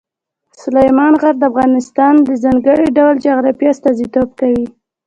سلیمان غر د افغانستان د ځانګړي ډول جغرافیه استازیتوب کوي.